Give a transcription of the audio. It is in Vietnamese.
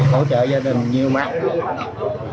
hỗ trợ gia đình nhiều mắt